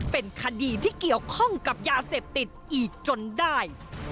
เป็นคดีที่เกี่ยวข้องกับยาเสพติดอีกจนได้